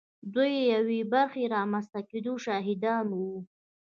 دوی د یوې برخې د رامنځته کېدو شاهدان وو